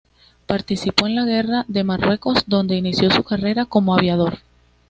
Participó en la Guerra de Marruecos, donde inició su carrera como aviador.